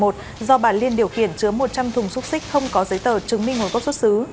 do bà liên điều khiển chứa một trăm linh thùng xúc xích không có giấy tờ chứng minh nguồn gốc xuất xứ